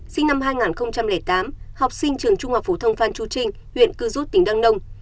sinh năm hai nghìn tám học sinh trường trung học phổ thông phan chu trinh huyện cư rút tỉnh đăng nông